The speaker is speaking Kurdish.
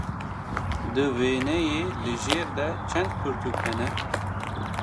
Di wêneyê li jêr de çend pirtûk hene?